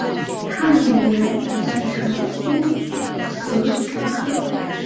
他们语言也变成乌兹别克语。